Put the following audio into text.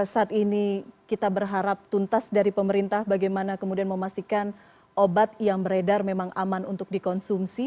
saat ini kita berharap tuntas dari pemerintah bagaimana kemudian memastikan obat yang beredar memang aman untuk dikonsumsi